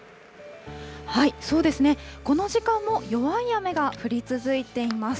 そうですね、この時間も弱い雨が降り続いています。